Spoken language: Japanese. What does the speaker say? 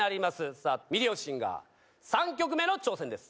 さぁ『ミリオンシンガー』３曲目の挑戦です。